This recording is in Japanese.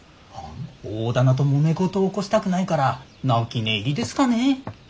大店ともめ事を起こしたくないから泣き寝入りですかね。